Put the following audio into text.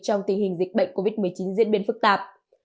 trong tình hình dịch bệnh covid một mươi chín diễn biến phức tạp